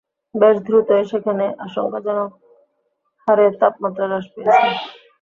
বেশ দ্রুতই সেখানে আশংকাজনকহারে তাপমাত্রা হ্রাস পেয়েছে!